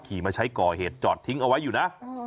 มาใช้ก่อเหตุจอดทิ้งเอาไว้อยู่นะ